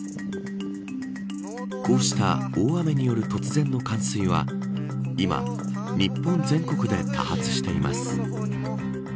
こうした大雨による突然の冠水は今、日本全国で多発しています。